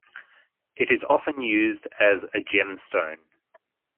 It is often used as a gemstone.